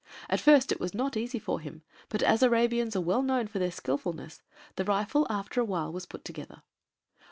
At first it was not easy for him, but as Arabians are well known for their skilfulness, the rifle, after a while, was put together.